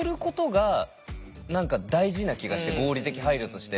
合理的配慮として。